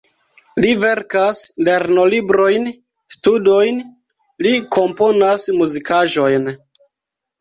Li verkas lernolibrojn, studojn, li komponas muzikaĵojn.